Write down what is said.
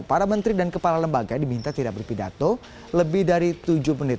para menteri dan kepala lembaga diminta tidak berpidato lebih dari tujuh menit